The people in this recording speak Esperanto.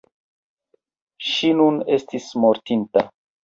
Ŝi nun estis mortinta.